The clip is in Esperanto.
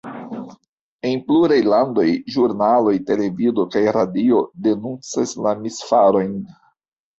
En pluraj landoj ĵurnaloj, televido kaj radio denuncas la misfarojn.